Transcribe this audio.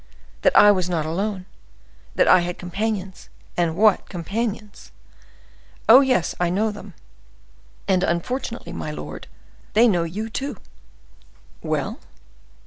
"That I was not alone, that I had companions; and what companions!" "Oh! yes, I know them." "And, unfortunately, my lord, they know you, too!" "Well?"